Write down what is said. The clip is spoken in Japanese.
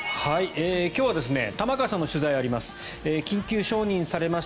今日は玉川さんの取材あります。